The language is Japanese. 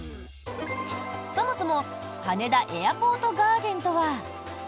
そもそも羽田エアポートガーデンとは。